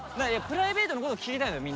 プライベートのこと聞きたいのよ